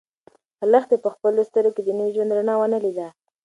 لښتې په خپلو سترګو کې د نوي ژوند رڼا ونه لیده.